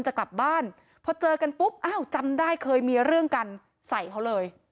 จะกลับบ้านพอเจอกันปุ๊บอ้าวจำได้เคยมีเรื่องกันใส่เขาเลย